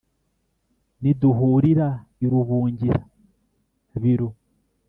niduhurira i rubungira-biru